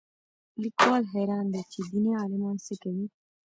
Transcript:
لیکوال حیران دی چې دیني عالمان څه کوي